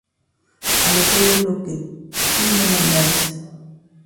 Haré todo lo que tú me mandares.